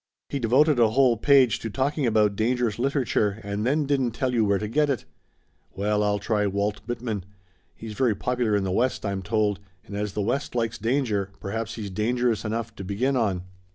He devoted a whole page to talking about dangerous literature and then didn't tell you where to get it. Well, I'll try Walt Whitman. He's very popular in the West, I'm told, and as the West likes danger perhaps he's dangerous enough to begin on."